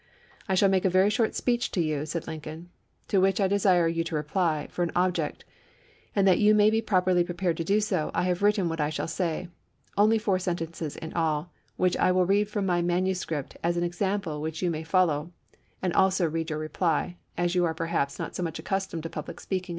" I shall make a very short speech to you," said Lincoln, " to which I desire you to reply, for an object; and that you may be properly prepared to do so I have written what I shall say, only four sentences in all, which I will read from my manuscript as an example which you may follow and also read your reply — as you are GRANT GENEKAL IN CHIEF 341 perhaps not so much accustomed to public speaking ch.